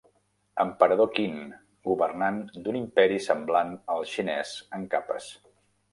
Emperador Qin: governant d"un imperi semblant al xinés en capes.